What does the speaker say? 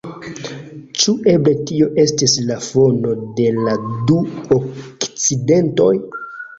Ĉu eble tio estis la fono de la du akcidentoj?